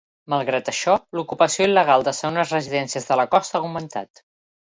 Malgrat això, l'ocupació il·legal de segones residències de la costa ha augmentat.